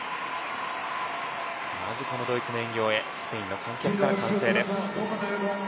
まずドイツが演技を終えスペインの観客から歓声です。